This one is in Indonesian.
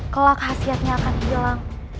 kelak hasiatnya akan hilang